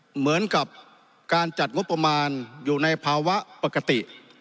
เหมือนกับการจัดงบประมาณอยู่ในภาวะปกติ